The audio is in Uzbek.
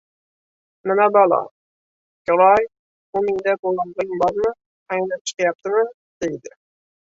Nima balo, giroy, bumingda bulog‘ing bormi, qaynab chiqyaptimi?» deydi.